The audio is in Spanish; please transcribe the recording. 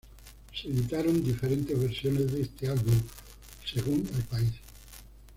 Se editaron diferentes versiones de este álbum según el país.